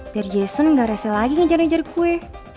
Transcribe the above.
biar jason gak rese lagi ngajar ngajar gue